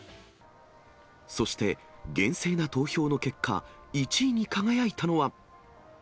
そして厳正な投票の結果、１位に輝いたのは。